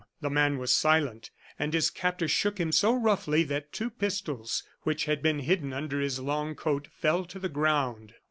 The man was silent, and his captor shook him so roughly that two pistols, which had been hidden under his long coat, fell to the ground.